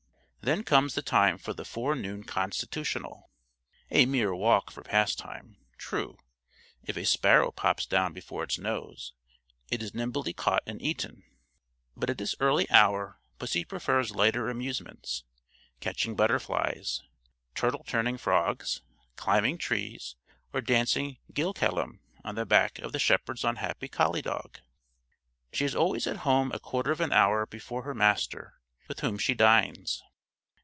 Then comes the time for the forenoon constitutional a mere walk for pastime; true, if a sparrow pops down before its nose, it is nimbly caught and eaten; but at this early hour pussy prefers lighter amusements, catching butterflies, turtle turning frogs, climbing trees, or dancing ghillie callum on the back of the shepherd's unhappy collie dog. She is always at home a quarter of an hour before her master, with whom she dines.